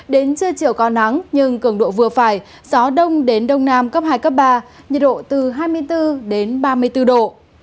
đến trưa chiều có nắng nhưng cường độ vừa phải gió đông đến đông nam cấp hai cấp ba nhiệt độ từ hai mươi bốn đến ba mươi bốn độ